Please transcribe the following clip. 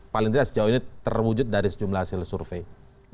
paling tidak sejauh ini terwujud dari sejumlah hasil survei